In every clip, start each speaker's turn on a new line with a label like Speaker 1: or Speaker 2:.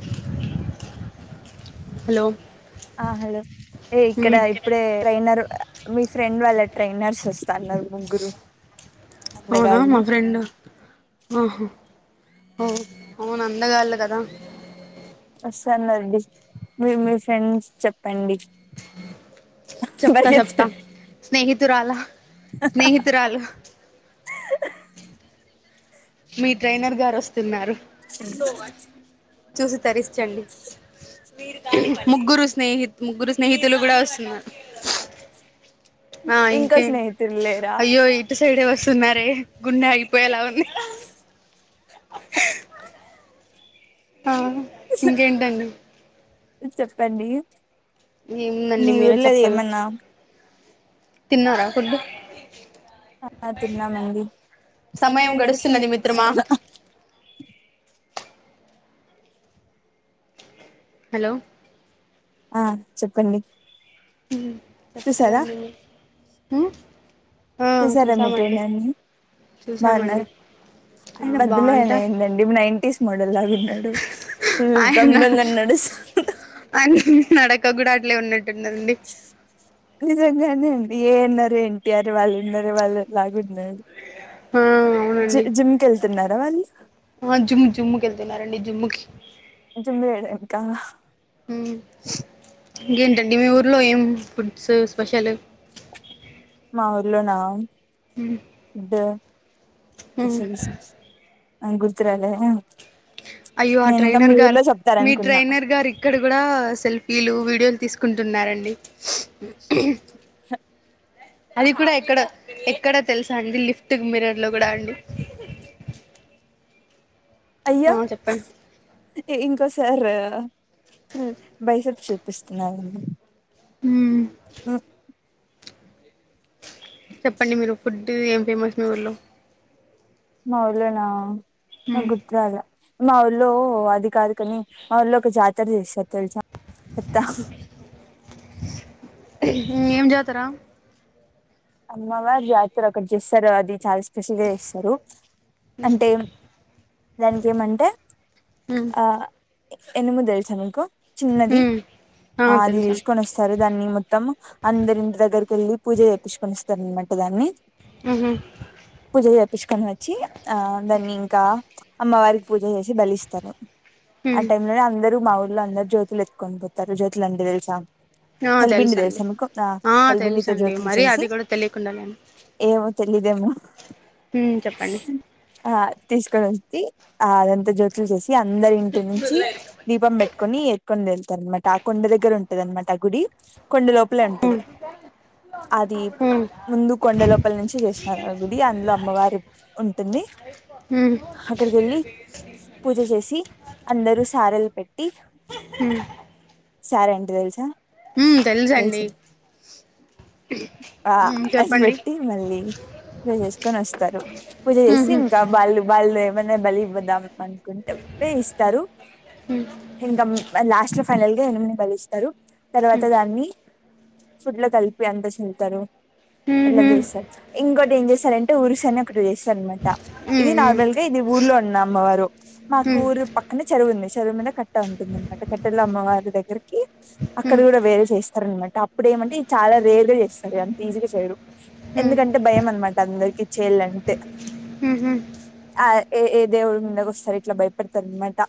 Speaker 1: Blank
Speaker 2: blank
Speaker 1: hello
Speaker 2: ఆ hello ఏ ఇక్కడ ఇప్పుడే ట్రైనర్ అ మీ ఫ్రెండ్ వాళ్ళ ట్రైనర్స్ వస్తన్నారు ముగ్గురు
Speaker 1: అవునా మా
Speaker 2: అందగాళ్ళు
Speaker 1: ఫ్రెండ్ ఆహా ఓ అవునందగాళ్ళు గదా
Speaker 2: ఒస్తన్నది బిస్ మీ మీ ఫ్రెండ్స్ చెప్పండి [unintelligible]
Speaker 1: చెప్త చెప్తా
Speaker 2: పరిగెత్తండి
Speaker 1: స్నేహితురాల స్నేహితురాలు మీ ట్రైనర్ గారు ఒస్తున్నారు చూసి తరిస్చండి ముగ్గురు స్నేహిత్ ముగ్గురు స్నేహితులు గూడా ఒస్తున్నారు ఆ
Speaker 2: ఇంకో
Speaker 1: ఇంకే
Speaker 2: స్నేహితులు లేరా
Speaker 1: అయ్యో ఇటు సైడే వస్తున్నారే గుండె ఆగిపోయేలా ఉంది ఆ ఇంకేంటండి
Speaker 2: ఉ చెప్పండి
Speaker 1: ఏముందండి
Speaker 2: మీ
Speaker 1: మీరె
Speaker 2: ఊర్లోది
Speaker 1: చెప్పాలి
Speaker 2: ఏమన్నా
Speaker 1: తిన్నారా ఫుడ్
Speaker 2: ఆ అ తిన్నా మంది సమయం గడస్తన
Speaker 1: గడుస్తున్నది మిత్రమా
Speaker 2: మడ [unintelligible]
Speaker 1: హలో
Speaker 2: ఆ చెప్పండి
Speaker 1: ఉమ్ చెప్పాల
Speaker 2: చూసారా
Speaker 1: నువే ఉమ్
Speaker 2: తీసార మి ట్రైనర్ని బాగున్నారు
Speaker 1: చూసామండి ఆ
Speaker 2: ఆగడోద్దులే
Speaker 1: బాగుంట
Speaker 2: అయన ఏంలే [unintelligible] నైన్టీీస్ మోడల్లాగున్నాడు ఫుల్ దంగ్ దంగ్ అని నడుస్తున్నాడు
Speaker 1: అని నడక గూడా అట్లే ఉన్నట్టుందండి
Speaker 2: బ్లాంక్ నిజంగానే అండి ఏఎన్నారు ఎన్టీఆర్ వాళ్ళు ఉన్నరు వాళ్ళ లాగున్నారు
Speaker 1: ఆ
Speaker 2: జిమ్కి వెళ్తున్నారా వాళ్ళు
Speaker 1: వా జుమ్ జుమ్ము కెళ్తున్నారండి జుమ్ముకి
Speaker 2: జుమె ఏడే కా [unintelligible]
Speaker 1: ఊమ్ ఇంకేంటండి మీ ఊర్లో ఏం ఫుడ్స్ స్పెషల్
Speaker 2: మాఊర్లోనా స్పెషల్స్ అ గుర్తు రాలే అ
Speaker 1: అయ్యో ఆ ట్రైైనర్ గారు మీ
Speaker 2: చెప్తారనుకున్నా
Speaker 1: ట్రైనర్ గారి ఇక్కడ గూడా సెల్ఫీలు వీడియోలు తీసుకుంటున్నారండి
Speaker 2: స
Speaker 1: అది కూడా ఎక్కడ ఎక్కడ తెలుసా అండి లిఫ్ట్ మిరర్ లో గూడా అండి
Speaker 2: అయ్య
Speaker 1: ఆ చెప్పండి
Speaker 2: ఇంకోసార్రా అ బైసప్ చూపిస్తున్నాడండి
Speaker 1: ఉమ్మ్
Speaker 2: అ
Speaker 1: చెప్పండి మీరు ఫుడ్ ఏం ఫేమస్ మీ ఊర్లో
Speaker 2: మా ఊర్లోనా ఎగ్ గదే మా ఊళ్లో అది కాదు కని మా ఊళ్ళో ఒక జాతర చేస్తరు తెలుసా చెప్తా
Speaker 1: ఉహు ఏం జాతర
Speaker 2: అమ్మవారు జాతర ఒకటి జేస్తరు అది చాలా స్పెషల్గా చేస్తరు అంటే దానికేమంటే ఆ ఇనుము తెలుసా మీకు చిన్నది ఆ అది తీసుకొనొస్తారు దాన్ని మొత్తం అందరింటి దగ్గరకెళ్ళి పూజ జేపిచ్చుకొని ఒస్తరన్నమాట దాన్ని
Speaker 1: ఉహు
Speaker 2: పూజ జేపిచ్చుకొని వచ్చి అందరిని ఇంకా అమ్మవారికి పూజ చేసి బలిస్తారు ఆ టైమ్లోనే అందరు మా ఊళ్ళలో అందరు జ్యోతులు ఎత్తుకొని పోతారు జ్యోతులు అంటే తెలుసా
Speaker 1: ఆ
Speaker 2: సల్బిండి
Speaker 1: తెలుసండి
Speaker 2: తెల్సా మీకు
Speaker 1: ఆ
Speaker 2: సల్బిండితో
Speaker 1: తెలుసండి
Speaker 2: జోతి
Speaker 1: మరి
Speaker 2: చ్చేసి
Speaker 1: అది కూడా తెలియకుండాలేను
Speaker 2: ఏమో తెలియదేమో
Speaker 1: చెప్పండి
Speaker 2: ఆ తీసుకొని వచ్చి ఆ అదంత జ్యోతులు చేసి అందరి ఇంటి నుంచి దీపం పెట్టుకొని ఎత్తుకొని వెళ్తారన్నమాట ఆ కొండ దగ్గర ఉంటదన్నమాట ఆ గుడి కొండ లోపలే ఉంటది అది ముందు కొండ లోపల నుంచి చేసినారు ఆ గుడి అందులో అమ్మవారు ఉంటుంది అక్కడికి వెళ్ళి
Speaker 1: ఉ
Speaker 2: పూజ చేసి అందరూ సారలు పెట్టి
Speaker 1: ఉ
Speaker 2: సారే అంటే తెలుసా
Speaker 1: ఉ తెలుసండి
Speaker 2: తెలుసు ఆ
Speaker 1: చెప్పండి
Speaker 2: అదిబెట్టి మళ్ళీ పూజ చేసుకొని వస్తారు పూజ చేసి ఇంకా బళ్ళు బళ మన బలి ఇవ్వొద్దు ఆమె పండుకునేటప్పుడే ఇస్తారు ఇంకా లాస్ట్ లో ఫైనల్ గా ఎనిమిని బలిస్తరు తర్వాత దాన్ని ఫుడ్లో కలిపి అంత వెళ్తరు అట్ల చేస్తరు ఇంకోటి ఏం చేస్తరంటే ఊరుసు అని ఒకటి చేస్తరన్నమాట ఇది నార్మల్ గా ఇది ఊర్లో ఉన్న అమ్మవారు మాకు ఊరు పక్కనే చెరువు ఉంది చెరువు మీద కట్ట ఉంటుంది అన్నమాట కట్టలో అమ్మవారి దగ్గరికి అక్కడ కూడా వేరే చేస్తారనమాట అప్పుడు ఏమంటే ఇది చాలా రేర్గ చే స్తరు అంతీజిగ చేయరు ఎందుకంటే భయం అనమాట అందరికి చేయాలంటే
Speaker 1: ఉహు
Speaker 2: ఆ ఏ ఏ దేవుడి మిందకి వస్తరు ఇట్ల భయపడతరన్నమాట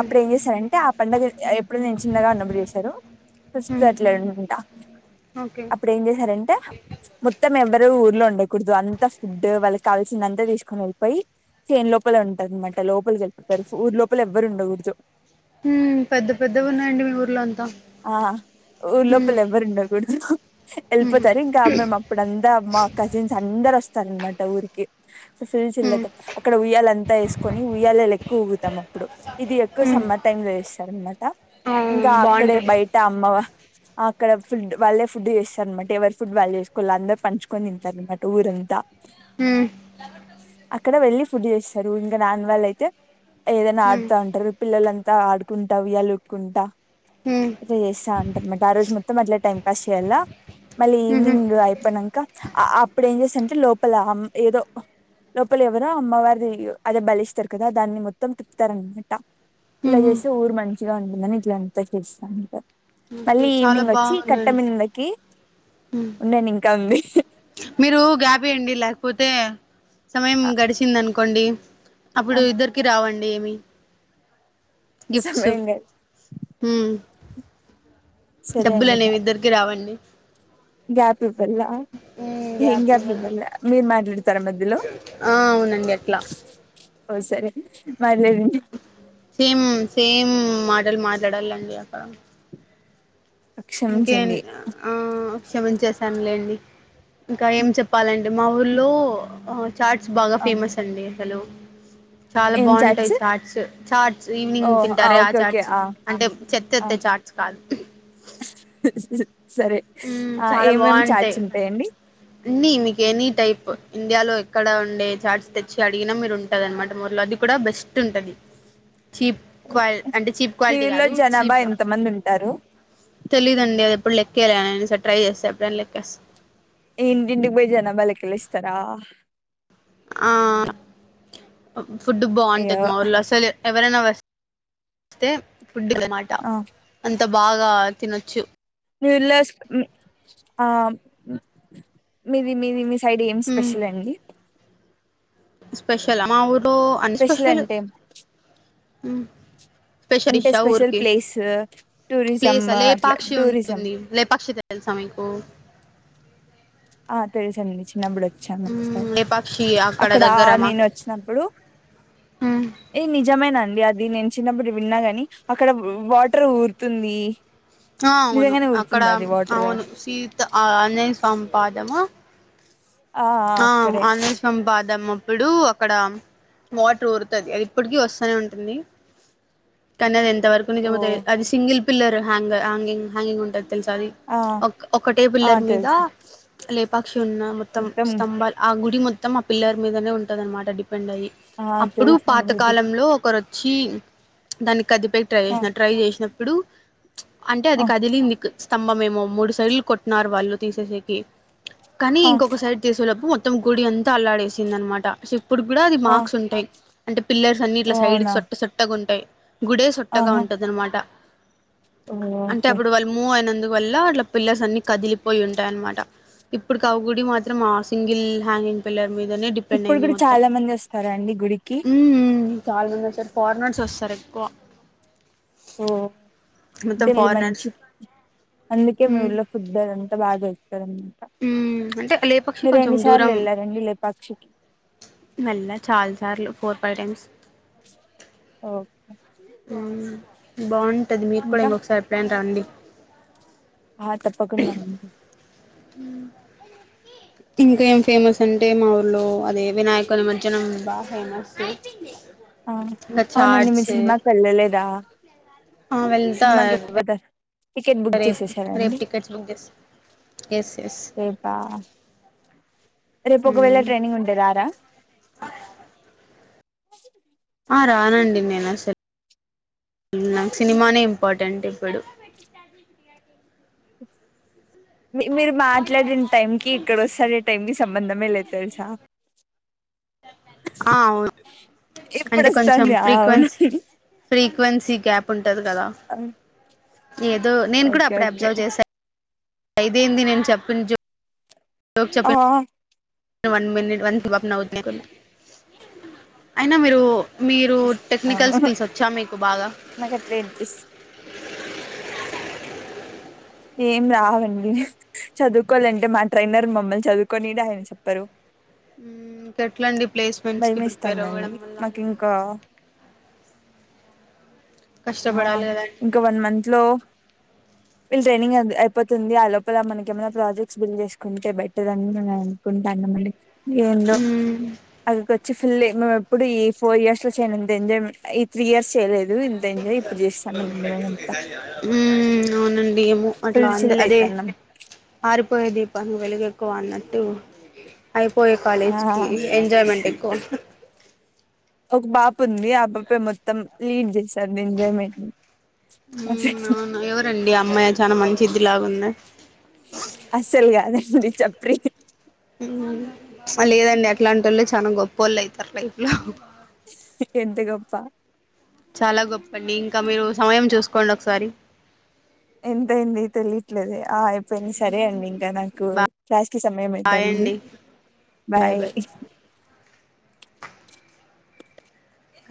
Speaker 2: అప్పుడు ఏం చేస్తరంటే ఆ పండగ ఎప్పుడో నేను చిన్నగా ఉన్నప్పుడు చేశారు పుస్తట్లా అంటా
Speaker 1: ఓకే
Speaker 2: ఏం చేశారంటే మొత్తం ఎవ్వరు ఊర్లో ఉండకూడదు అంత ఫుడ్ వాళ్ళకి కావాల్సింది అంతా తీసుకొని వెళ్ళిపోయి చేను లోపలే ఉంటారనమాట లోపలికెళ్ళిపోతారు ఊరు లోపల ఎవ్వరు ఉండకూడదు
Speaker 1: ఉమ్ పెద్ద పెద్దవి ఉన్నాయండి మీ ఊర్లో అంతా
Speaker 2: ఆ ఊరు లోపల ఎవ్వరుండ కూడదు ఎళ్ళిపోతారు ఇంకా మేమప్ అప్పుడంతా మా కజిన్స్ అందరు వస్తారనమాట ఊరికి ఫల్ చిల్ అయితం అక్కడ ఉయ్యాల అంతా వేసుకొని ఉయ్యాలలెక్కువ ఊగుతాం అప్పుడు ఇది ఎక్కువ సమ్మర్ టైంలో చేస్తారనమాట
Speaker 1: ఆ
Speaker 2: ఇంకా అక్కడే
Speaker 1: బాగుంటది
Speaker 2: బయట అమ్మవ అక్కడ ఫుడ్ వాళ్ళే ఫుడ్ చేస్తారనమాట ఎవరి ఫుడ్ వాళ్ళే చేసుకోవాలి అందరు పంచుకొని తింటారనమాట ఊరంతా
Speaker 1: హ్
Speaker 2: అక్కడ వెళ్లి ఫుడ్ చేస్తారు ఇంకా రాని వాళ్ళయితే ఏదైనా
Speaker 1: హ్మ్
Speaker 2: ఆడుతా ఉంటారు పిల్లలంతా ఆడుకుంటా ఉయ్యాల ఊగుకుంట
Speaker 1: హ్మ్
Speaker 2: ఇట్లా చేస్తా ఉంటారన్నమాట ఆ రోజు మొత్తం అట్లా టైం పాస్ చేయాలా మళ్ళీ
Speaker 1: ఉహు
Speaker 2: ఈవినింగ్ అయిపోయినంకా అప్పుడు ఏం చేస్తారాంటే లోపల ఏదో లోపల ఎవరో అమ్మవారి అదే బలిస్తారు కదా దాన్ని మొత్తం తిప్పుతారనుకుట ఇలా
Speaker 1: ఉహు
Speaker 2: చేస్తే ఊరు మంచిగా ఉంటుందని ఇట్లంతా చేస్తా ఉంటారు
Speaker 1: ఓకే
Speaker 2: మళ్ళీ
Speaker 1: చాలా
Speaker 2: ఈవినింగ్ వచ్చి
Speaker 1: బాగున్నాను
Speaker 2: కట్టమిందకి
Speaker 1: హ్మ్
Speaker 2: ఉండండి ఇంకా ఉంది
Speaker 1: మీరు గ్యాప్ ఇయ్యండి లేకపోతే సమయం
Speaker 2: ఆ
Speaker 1: గడిచింది అనుకోండి
Speaker 2: ఆ
Speaker 1: అప్పుడు ఇద్దరికి రావండి ఏమి గిఫ్ట్స్
Speaker 2: సమయం కాదు
Speaker 1: హ్మ్
Speaker 2: సరే
Speaker 1: డబ్బులు
Speaker 2: అండి
Speaker 1: అనేవి
Speaker 2: గ్యాప్
Speaker 1: ఇద్దరికి రావండి
Speaker 2: గ్యాప్ ఇవ్వాళ
Speaker 1: హ్మ్
Speaker 2: ఏం గ్యాప్
Speaker 1: ఇవ్వాల
Speaker 2: ఇవ్వాళ్ళ మీర్ మాట్లాడతార మధ్యలో
Speaker 1: ఆ అవునండి అట్లా
Speaker 2: ఓ సరే మాట్లాడండి
Speaker 1: సేమ్ సేమ్ మాటలు మాట్లాడాలండి అక్కడ ఇంకే
Speaker 2: క్షమించండి
Speaker 1: ఆ క్షేమించేశానులేండి ఇంకా ఏం చెప్పాలం అ మా ఊర్లో ఆ చాట్స్ బాగా
Speaker 2: ఆ
Speaker 1: ఫేమస్ అండి హలో చాలా
Speaker 2: ఏం
Speaker 1: బాగుంటాయి
Speaker 2: చాట్స్
Speaker 1: చార్ట్స్ చార్ట్స్
Speaker 2: ఓ
Speaker 1: ఈవినింగ్ తింటారే ఆ
Speaker 2: ఓకే ఓకే
Speaker 1: చార్ట్స్
Speaker 2: ఆ
Speaker 1: అంటే చెత్త
Speaker 2: ఆ
Speaker 1: ఏత్తే చార్ట్స్ కాదు
Speaker 2: స్ సరే
Speaker 1: మ్మ్,
Speaker 2: ఆ ఏమేమి చాట్స్ ఉంటాయండి
Speaker 1: అన్ని మీకు ఎనీ టైప్ ఇండియాలో ఎక్కడ ఉండే ఛాట్స్ తెచ్చి అడిగినా మీరు ఉ టాదనమాట ఊర్లో అది కూడా బెస్ట్ ఉంటది చీప్ క్వాల్ అంటే చీప్
Speaker 2: మీ
Speaker 1: క్వాలిటీ
Speaker 2: ఊర్లో
Speaker 1: కాదు
Speaker 2: జనాభా
Speaker 1: చీప్గా
Speaker 2: ఎంత మంది ఉంటారు
Speaker 1: తెలీయదండి అది ఎప్పుడు లెక్కేయలే అది నేన్ ఈ సారి టై చేస్ ఎడైనా లెక్కేస్త
Speaker 2: ఇంటింటికి బోయి జనాబా లెక్కలేస్తారా
Speaker 1: ఆ ఫుడ్డు
Speaker 2: అయ్యో
Speaker 1: బాగుంటది మా ఊర్లో అసలు ఎవరైనా వస్ స్తే ఫుడ్ అన్నమాట
Speaker 2: ఆ
Speaker 1: అంత బాగా తినొచ్చు
Speaker 2: మీవిలాస్ హ్మ్ హా మీది మీది సైడ్ ఏం
Speaker 1: ఉమ్
Speaker 2: స్పెషల్ అండి
Speaker 1: స్పెషల్ ఆ మా ఊర్లో అన్ని స్పెషల్ స్పెషల్
Speaker 2: అంటే
Speaker 1: ఇషా
Speaker 2: స్పెషల్
Speaker 1: ఊరికి
Speaker 2: ప్లేస్ టూరిజం
Speaker 1: ప్లేసా
Speaker 2: అట్లా
Speaker 1: లేపాక్షి
Speaker 2: టూరిజం
Speaker 1: ఉంటుంది లేపాక్షి తెలుసా మీకు
Speaker 2: ఆ తెలుసండి చిన్నప్పుడు వచ్చాను
Speaker 1: ఉమ్
Speaker 2: ఓకసారి
Speaker 1: లేపాక్షి
Speaker 2: అక్కడ నేను వచ్చినప్పుడు
Speaker 1: ఆహ్
Speaker 2: ఏ నిజమేనా అండి అది నేను చిన్నప్పుడు విన్నాగని అక్కడ వాటర్ ఊరుతుంది
Speaker 1: ఆ అవును
Speaker 2: నిజంగానే
Speaker 1: అక్కడ
Speaker 2: ఊరుతుంది అది వాటర్
Speaker 1: అవును సీత ఆ ఆంజనేయ స్వామి పాదము ఆ ఆంజనేయ స్వా మ్ పాదమప్పుడు అక్కడ వాటర్ ఊరుతుంది అది ఇప్పటికి వస్తూనే ఉంటుంది కానీ అది ఎంత వరకు
Speaker 2: ఓ
Speaker 1: నిజమతా అది సింగిల్ పిల్లర్ హ్యాంగ హాంగింగ్ హ్యాంగింగ్ ఉంటుది తెలుసా అది
Speaker 2: ఆ
Speaker 1: ఒక ఒకటే
Speaker 2: ఆ
Speaker 1: పిల్లర్ మీద
Speaker 2: తెలుసు
Speaker 1: లేపాక్షి ఉన్న మొత్తం స్తంభాలు ఆ గుడి మొత్తం ఆ పిల్లర్ మీదనే ఉంటదన్నమాట డిపెండ్ అయ్యి
Speaker 2: ఆ
Speaker 1: అప్పుడు
Speaker 2: తెలుసండి ఇది
Speaker 1: పాతకాలంలో ఒకరు చ్చి దాన్ని కదిపే ట్రై
Speaker 2: ఆ
Speaker 1: చేసిన ట్రై చేసినప్పుడు అంటే
Speaker 2: ఆ
Speaker 1: అది కదిలింది స్తంభమేమో మూడు సైడ్లు కొట్న్నారు వాళ్ళు తీసేసేకి కానీ
Speaker 2: ఆ
Speaker 1: ఇంకొక సైడ్ తీసుకువళ్ళప్పు మొత్తం గుడి అంతా అల్లాడేసింది అనమాట శివ్ ఇప్పుడు కూడా అది
Speaker 2: ఆ
Speaker 1: మార్క్స్ ఉంటాయి అంటే పిల్లర్స్ అన్ని
Speaker 2: ఓ
Speaker 1: ఇట్లా సైడ్
Speaker 2: అవునా
Speaker 1: సోట్ట సొట్టగా ఉంటాయి గుడే సొట్టగా
Speaker 2: ఆహా
Speaker 1: ఉంటది అనమాట
Speaker 2: ఓ,
Speaker 1: అంటే
Speaker 2: ఓకే
Speaker 1: అప్పుడు వాళ్ళు మూ అయినందువల్ల అట్లా పిల్లస్ అన్ని కదిలిపోయి ఉంటాయి అనమాట ఇప్పుడు కా ఆవు గుడి మాత్ త్రం మా సింగిల్ హ్యాంగ్ం పిల్లర్ మీదనే డిపెండ్
Speaker 2: ఇప్పుడు
Speaker 1: అయింది
Speaker 2: కూడా
Speaker 1: మొత్తం
Speaker 2: చాలా మంది వస్తారండి గుడికి
Speaker 1: ఉమ్ చాలా మంది అస్తారు ఫారినర్స్ ఆస్తారు ఎక్కువ
Speaker 2: ఓ
Speaker 1: మొత్తం
Speaker 2: అంటే ఇది
Speaker 1: ఫారినర్స్
Speaker 2: మంచి అందుకే
Speaker 1: ఉమ్
Speaker 2: మీఊళ ఫుడ్ అదంతా బాగా జరుపుతా
Speaker 1: ఉమ్ అంటే లేపాక్షి
Speaker 2: మీరు ఎన్ని సార్లు ఎళ్ళారండి లేపక్షికి
Speaker 1: వేళ్ళా చాల సార్లు ఫోర్ ఫై టైమ్స్
Speaker 2: ఓ
Speaker 1: ఉమ్ బాగుంటది మీరు కూడా
Speaker 2: ఇంకా
Speaker 1: ఇంకొకసారి ప్లాన్ రండి
Speaker 2: ఆ తప్పకుండా అండి
Speaker 1: ఉ ఇంకా ఏం ఫేమస్ అంటే మా ఊర్లో అదే వినాయక నిమజ్జనం బా ఫేమస్
Speaker 2: ఆ
Speaker 1: ఇంకా
Speaker 2: అవునండి
Speaker 1: చాట్స్
Speaker 2: మీరు సినిమాకు ఎళ్లలేదా
Speaker 1: ఆ వెళతా [unintelligible]
Speaker 2: టికెట్ బుక్ చేసేసారండి
Speaker 1: టికెట్స్ బుక్ చేస్తా ఎస్ ఎస్
Speaker 2: రేపా రేపు ఒకవేళ ట్రైనింగ్ ఉంటే రారా
Speaker 1: ఆ రానండి నేను అసల్ నాకు సినిమానే ఇంపార్టెంట్ ఇప్పుడు
Speaker 2: మీరు మాట్లాడిన టైం కి ఇక్కడ వస్తాదే టైం కి సంబంధమే లేదు తెలుసా
Speaker 1: ఆ అవును
Speaker 2: ఇప్పుడు
Speaker 1: అంటే కొంచెం
Speaker 2: వస్తాంది అవును
Speaker 1: ఫ్రీక్వెన్సీ ఫ్రీక్వెన్సీ గ్యాప్ ఉంటుంది కదా
Speaker 2: ఆ,
Speaker 1: ఏదో నేను కూడా
Speaker 2: ఓకే
Speaker 1: అప్పుడే
Speaker 2: ఓకే
Speaker 1: అబ్జర్వ్ చేసాను అఐదేంది నేను చెప్పిన చెప్ [unintelligible]
Speaker 2: ఆ
Speaker 1: వన్ మినిట్ వన్ జబప్ న అవవుతున్నాకు అయినా మీరు మీరు టెక్నికల్ స్కిల్స్ వచ్చా మీకు బాగా
Speaker 2: నక్ అకట్లే అనిపి ఏం రావండి చదువుకోవాలంటే మా ట్రైనర్ మమ్మల్ని చదువుకొని ఆయ చెప్పరు
Speaker 1: మ్మ్ ఇంకెట్లండి ప్లేస్మెంట్స్కి ప్రిపేర్
Speaker 2: భయమేస్తాందండి
Speaker 1: అవ్వడం వల్ల
Speaker 2: నాకు
Speaker 1: మనం
Speaker 2: ఇంకా ఆ
Speaker 1: కష్టపడాలి కదండి
Speaker 2: ఇంకా వన్ మంత్ లో వీళ్ళు ట్రైనింగ్ అయిపోతుంది ఆ లోపల మనక ఏమైనా ప్రాజెక్ట్స్ బిల్డ్ చేసుకుంటే బెటర్ అని న అనుకుంటాన్నామండి ఏంది
Speaker 1: మ్మ్
Speaker 2: అది పేద్ వచ్చ ఫుల్లీ మేము ఎప్పుడు ఈ ఫోర్ ఇయర్స్ లో చేయంత ఎంజాయ్ంట్ ఈ త్రీ ఇయర్స్ చేయలేదు ఇంత్
Speaker 1: ఉమ్ అవునండి ఏమో అట్లా
Speaker 2: ఫుల్
Speaker 1: అంద్
Speaker 2: చిల్
Speaker 1: అదే
Speaker 2: అయితాన్నాం
Speaker 1: ఆరిపోయే దీపంగ వెలుగ ఎక్కువ అన్నట్టు అయిపోయ
Speaker 2: ఆ
Speaker 1: కాలేజ్కి ఎంజాయ్మెంట్ ఎక్కువ
Speaker 2: ఒక బాప ఉంది ఆ బాపే మొత్తం లీడ్ చేశారు ఎంజాయ్మెంట్ మ
Speaker 1: అండి అమ్మాయ చాలా మంచి ఇదిలాగున్నాయి
Speaker 2: అసలు కాగాదండి చప్ప్రిీ
Speaker 1: హ్మ్ లేదండి అట్లాంటి వాళ్ళు చాలా గొప్ప వాళ్ళు అయితారు లైఫ్ లో
Speaker 2: ఎంత గొప్ప
Speaker 1: చాలా గొప్ప అండి ఇంకా మీరు సమయం చూసుకోండి ఒకసారి
Speaker 2: ఎంతయింది తెలియట్లేదే ఆ అయిపోయింది సరే అండి ఇంకా నాకు క్లాస్కి సమయం
Speaker 1: బాయ్
Speaker 2: అయితంది.
Speaker 1: అండి
Speaker 2: బాయ్